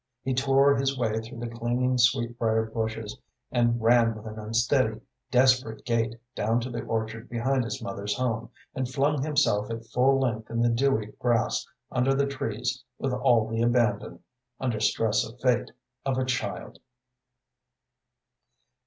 He tore his way through the clinging sweetbrier bushes and ran with an unsteady, desperate gait down to the orchard behind his mother's home, and flung himself at full length in the dewy grass under the trees with all the abandon, under stress of fate, of a child.